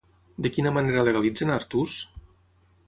De quina manera legalitzen a Artús?